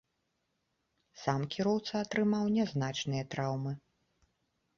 Сам кіроўца атрымаў нязначныя траўмы.